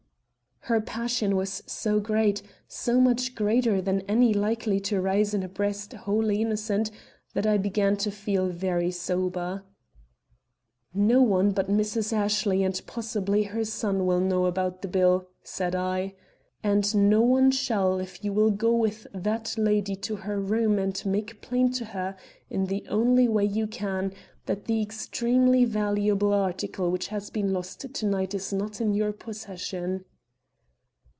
Her passion was so great, so much greater than any likely to rise in a breast wholly innocent, that I began to feel very sober. "No one but Mrs. Ashley and possibly her son know about the bill," said I, "and no one shall, if you will go with that lady to her room, and make plain to her, in the only way you can, that the extremely valuable article which has been lost to night is not in your possession."